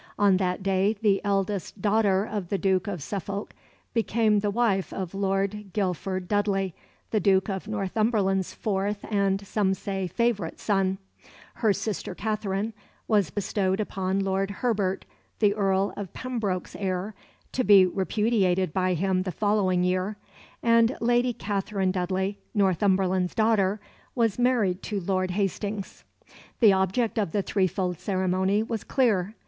On that day the eldest daughter of the Duke of Suffolk became the wife of Lord Guilford Dudley, the Duke of Northumberland's fourth and, some say, favourite son; her sister Katherine was bestowed upon Lord Herbert, the earl of Pembroke's heir to be repudiated by him the following year and Lady Katherine Dudley, Northumberland's daughter, was married to Lord Hastings. The object of the threefold ceremony was clear.